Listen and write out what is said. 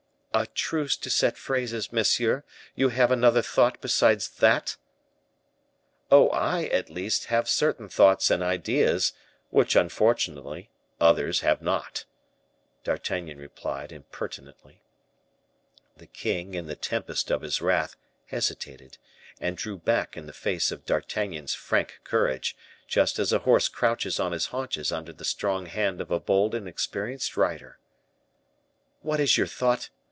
"A truce to set phrases, monsieur; you have another thought besides that?" "Oh, I, at least, have certain thoughts and ideas, which, unfortunately, others have not," D'Artagnan replied, impertinently. The king, in the tempest of his wrath, hesitated, and drew back in the face of D'Artagnan's frank courage, just as a horse crouches on his haunches under the strong hand of a bold and experienced rider. "What is your thought?"